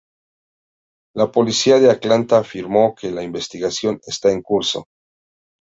La policía de Atlanta afirmó que la investigación está en curso.